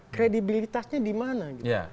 kredibilitasnya di mana